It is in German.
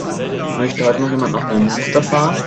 Möchte heute noch jemand nach Neumünster fahren?